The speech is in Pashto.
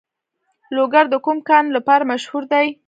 لوګر د کوم کان لپاره مشهور دی؟